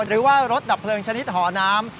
หรือว่ารถดับเพลิงชนิดหอน้ำ